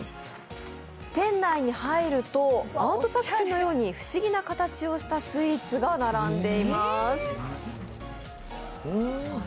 店内に入ると、アート作品のように不思議な形をしたスイーツが並んでいます。